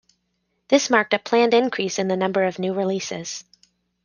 This marked a planned increase in the number of new releases.